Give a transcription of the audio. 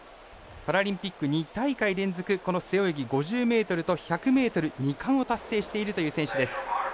パラリンピック２大会連続この背泳ぎ５０ｍと１００ｍ２冠を達成しているという選手です。